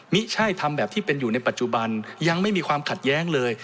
ไม่ใช่ทำแบบที่เป็นอยู่ในปัจจุบันยังไม่มีความขัดแย้งเลย